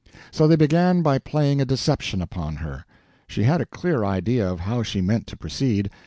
So they began by playing a deception upon her. She had a clear idea of how she meant to proceed.